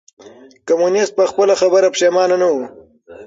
کمونيسټ په خپله خبره پښېمانه نه و.